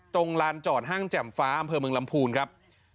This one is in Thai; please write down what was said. ลานจอดห้างแจ่มฟ้าอำเภอเมืองลำพูนครับ